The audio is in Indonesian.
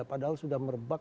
padahal sudah merebak